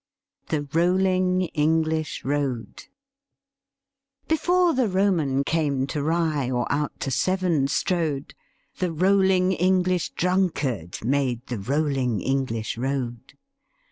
The Rolling English Road Before the Roman came to Rye or out to Severn strode, The rolling English drunkard made the rolling English road.